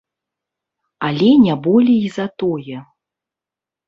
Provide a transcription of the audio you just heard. Але не болей за тое.